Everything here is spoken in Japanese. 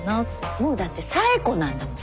もうだって紗栄子なんだもん。